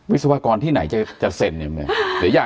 วิศวกรที่ไหนจะเซ็นยังไง